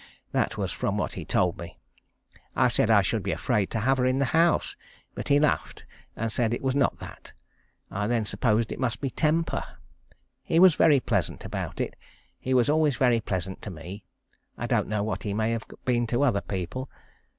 That was from what he told me. I said I should be afraid to have her in the house, but he laughed, and said it was not that. I then supposed it must be temper. He was very pleasant about it. He was always very pleasant to me. I don't know what he may have been to other people.